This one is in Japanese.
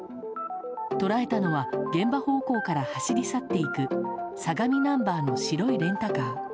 捉えたのは現場方向から走り去っていく相模ナンバーの白いレンタカー。